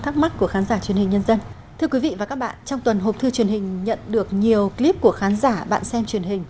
thưa quý vị và các bạn trong tuần hộp thư truyền hình nhận được nhiều clip của khán giả bạn xem truyền hình